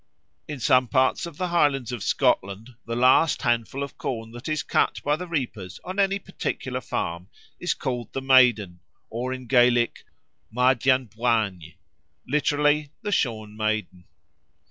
In some parts of the Highlands of Scotland the last handful of corn that is cut by the reapers on any particular farm is called the Maiden, or in Gaelic Maidhdeanbuain, literally, "the shorn Maiden."